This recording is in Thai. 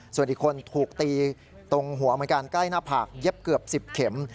ส่วนอีกคนถูกตีตรงหัวเหมือนกันใกล้หน้าผากเย็บเกือบ๑๐เข็ม